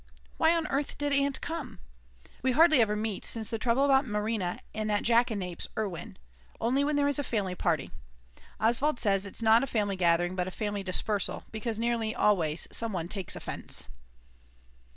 Why on earth did Aunt come? We hardly ever meet since the trouble about Marina and that jackanapes Erwin; only when there is a family party; Oswald says it's not a family gathering but a family dispersal because nearly always some one takes offence.